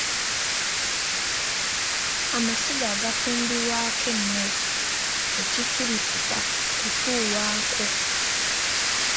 Amasiga agafumbirwako emmere tekikkirizibwa kutuulwako.